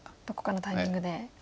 どこかのタイミングで。